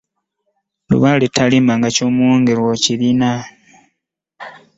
Lubaale talimbwa; nga ky’omuwongera okirina.